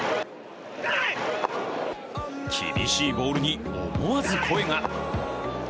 厳しいボールに思わず声が。